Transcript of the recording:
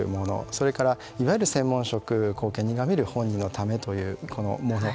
それから、いわゆる専門職後見人が見る本人のためというもの